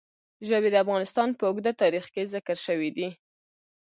ژبې د افغانستان په اوږده تاریخ کې ذکر شوی دی.